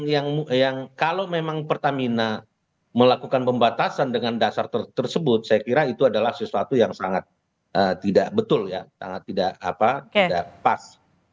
nah yang kalau memang pertamina melakukan pembatasan dengan dasar tersebut saya kira itu adalah sesuatu yang sangat tidak betul ya sangat tidak pas